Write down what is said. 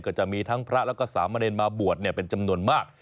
ก็จะมีทั้งพระแล้วก็สามเณรมาบวชเป็นจำนวนมาก